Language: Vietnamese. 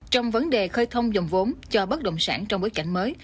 trong vấn đề khơi thông dòng vốn cho bất động sản trong bối cảnh mới